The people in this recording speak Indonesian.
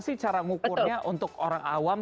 sih cara ngukurnya untuk orang awam